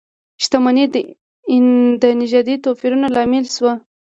شتمنۍ د نژادي توپیرونو لامل شوه.